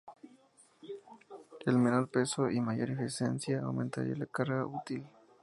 El menor peso y mayor eficiencia aumentaría la carga útil;.